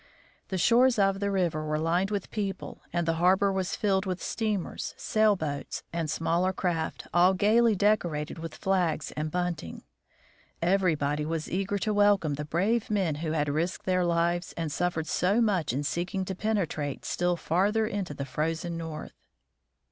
The shores of the river were lined with people and the harbor was filled with steamers, sailboats, and smaller craft, all gayly decorated with flags and bunting. Everybody was eager to wel come the brave men who had risked their lives and suffered so much in seeking to penetrate still farther into the Frozen North.